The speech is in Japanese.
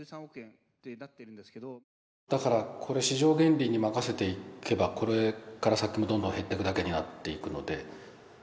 だからこれ市場原理に任せていけばこれから先もどんどん減っていくだけになっていくので。